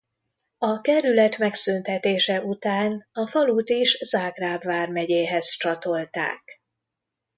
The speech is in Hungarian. A kerület megszüntetése után a falut is Zágráb vármegyéhez csatolták.